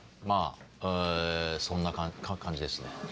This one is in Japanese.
まぁそんな感じですね。